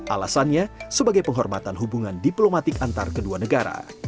alasannya sebagai penghormatan hubungan diplomatik antar kedua negara